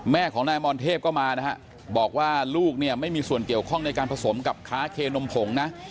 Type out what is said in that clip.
แม่ของนายมรเทพก็มานะฮะบอกว่าลูกเนี่ยไม่มีส่วนเกี่ยวข้องในการผสมกับค้าเคนมผงนะ